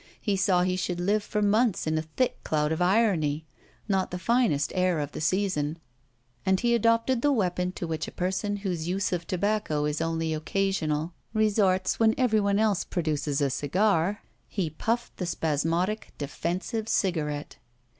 He saw he should live for months in a thick cloud of irony, not the finest air of the season, and he adopted the weapon to which a person whose use of tobacco is only occasional resorts when every one else produces a cigar he puffed the spasmodic, defensive cigarette.